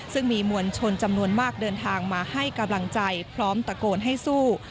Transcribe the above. ซึ่งมีมวลชนจำนวนมากเดินทางมาให้กำลังใจพร้อมตะโกนให้สู้